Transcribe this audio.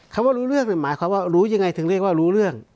ว่ารู้เรื่องหมายความว่ารู้ยังไงถึงเรียกว่ารู้เรื่อง